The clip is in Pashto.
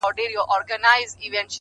ګل د ګلاب بوی د سنځلي!